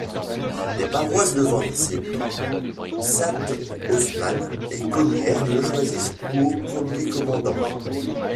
Les paroisses de Vancé, Sainte-Osmane et Cogners le choisissent pour premier commandant.